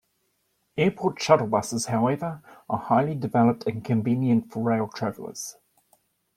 Airport shuttle buses, however, are highly developed and convenient for rail travellers.